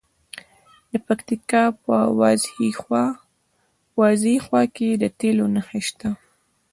د پکتیکا په وازیخوا کې د تیلو نښې شته.